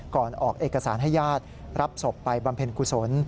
ออกเอกสารให้ญาติรับศพไปบำเพ็ญกุศล